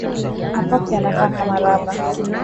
Mapafu yanakaa kama raba